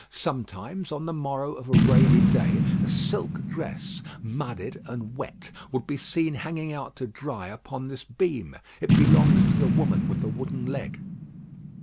Sometimes on the morrow of a rainy day, a silk dress, mudded and wet, would be seen hanging out to dry upon this beam. It belonged to the woman with the wooden leg.